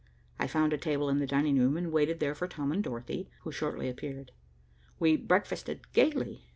I found a table in the dining room, and waited there for Tom and Dorothy, who shortly appeared. We breakfasted gaily.